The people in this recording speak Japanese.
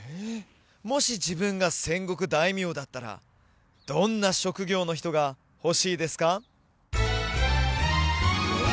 もし自分が戦国大名だったらどんな職業の人が欲しいですか？